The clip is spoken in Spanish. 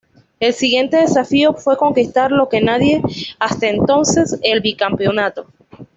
El siguiente desafío fue conquistar lo que nadie hasta entonces: el bicampeonato.